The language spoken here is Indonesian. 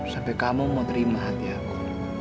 sampai kamu mau terima hati aku